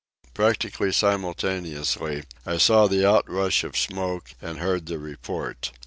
Practically simultaneously, I saw the out rush of smoke and heard the report.